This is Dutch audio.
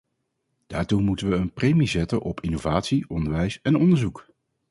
Daartoe moeten we een premie zetten op innovatie, onderwijs en onderzoek.